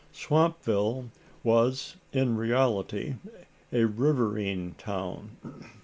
Swampville was in reality a riverine town.